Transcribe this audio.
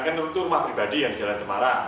kan itu rumah pribadi yang di jalan cemarang